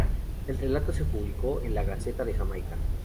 El relato se publicó en la "Gaceta de Jamaica".